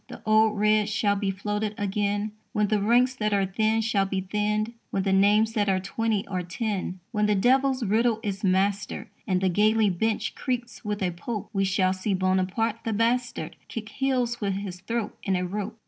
The old red shall be floated again When the ranks that are thin shall be thinned, When the names that are twenty are ten; When the devil's riddle is mastered And the galley bench creaks with a Pope, We shall see Buonaparte the bastard Kick heels with his throat in a rope.